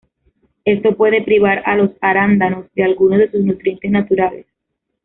Esto puede privar a los arándanos de algunos de sus nutrientes naturales.